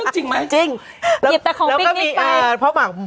จริงรั้งจริงจริง